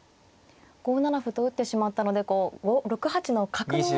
５七歩と打ってしまったのでこう６八の角の筋が。